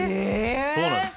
そうなんです。